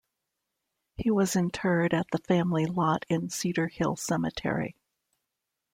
He was interred at the family lot in Cedar Hill Cemetery.